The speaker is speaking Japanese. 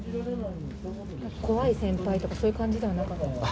怖い先輩とか、そういう感じではなかったですか？